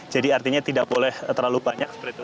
jadi artinya tidak boleh terlalu banyak seperti itu